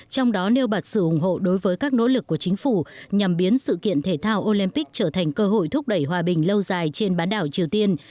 trong đó nêu bật sự ủng hộ đối với các nỗ lực của chính phủ nhằm biến sự kiện thể thao olympic trở thành cơ hội thúc đẩy hòa bình lâu dài trên bán đảo triều tiên